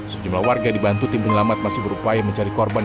sejumlah warga dibantu tim penyelamat masih berupaya mencari korban